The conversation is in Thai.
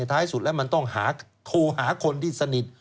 ท้ายสุดแล้วมันต้องโทรหาคนที่สนิท